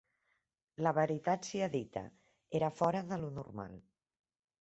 La veritat sia dita, era fora de lo normal